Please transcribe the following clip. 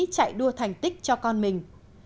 chạy đua thành tích cho con mình